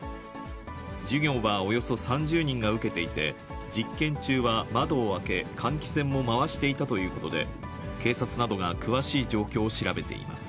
授業はおよそ３０人が受けていて、実験中は窓を開け、換気扇も回していたということで、警察などが詳しい状況を調べています。